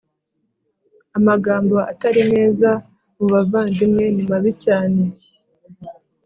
Amagambo Atari meza mubavandimwe nimabi cyane